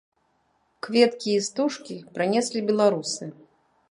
Кветкі і стужкі прынеслі беларусы.